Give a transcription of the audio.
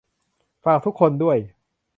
ฝากทุกคนด้วย